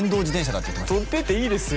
取ってっていいですよ